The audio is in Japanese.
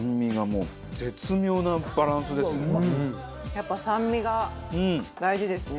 やっぱ酸味が大事ですね